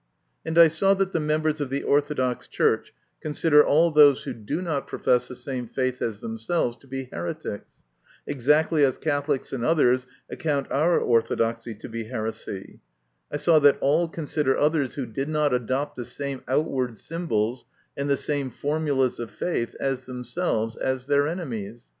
And I saw that the members of the Orthodox Church consider all those who do not profess the same faith as themselves to be heretics, exactly as Catholics and others account our Orthodoxy to be heresy ; I saw that all consider others who did not adopt the same outward symbols and the same formulas of faith as themselves as their enemies.